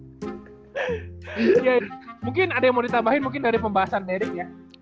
oke mungkin ada yang mau ditambahin mungkin dari pembahasan ini ya